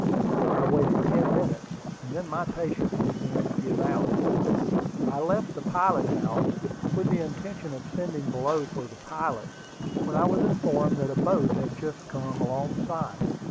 I waited ten minutes; and then my patience began to give out. I left the pilot house, with the intention of sending below for the pilot, when I was informed that a boat had just come alongside.